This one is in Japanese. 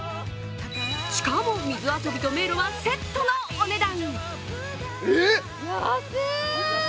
しかも水遊びと迷路はセットのお値段。